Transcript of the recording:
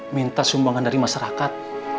minta sumbangan dari masyarakat